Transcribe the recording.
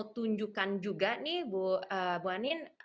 tunjukkan juga nih bu anin